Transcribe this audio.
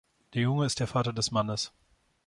Der Junge ist der Vater des Mannes.